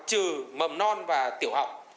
trừ mầm non và tiểu học